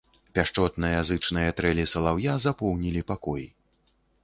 Пяшчотныя, зычныя трэлі салаўя запоўнілі пакой.